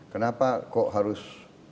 kenapa kok harus